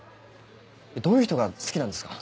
どういう人が好きなんですか？